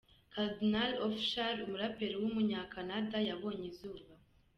Kardinal Offishall, umuraperi w’umunyakanada yabonye izuba.